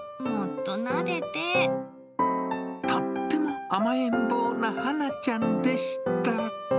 とっても甘えん坊なはなちゃんでした。